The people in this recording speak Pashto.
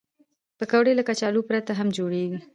پکورې له کچالو پرته هم جوړېږي